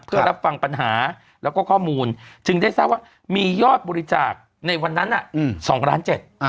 เพื่อรับฟังปัญหาแล้วก็ข้อมูลจึงได้ทราบว่ามียอดบริจาคในวันนั้น๒ล้านเจ็ด